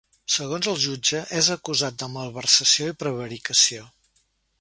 Segons el jutge, és acusat de malversació i prevaricació.